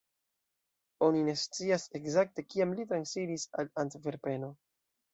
Oni ne scias ekzakte kiam li transiris al Antverpeno.